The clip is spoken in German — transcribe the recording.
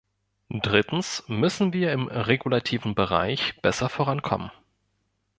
Drittens müssen wir im regulativen Bereich besser vorankommen.